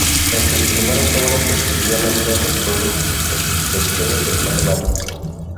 En sus primeras obras describía la vida en los pueblos pesqueros del mar Báltico.